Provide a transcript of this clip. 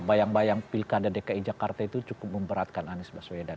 bayang bayang pilkada dki jakarta itu cukup memberatkan anies baswedan